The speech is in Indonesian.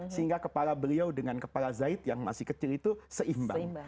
sehingga kepala beliau dengan kepala zaid yang masih kecil itu seimbang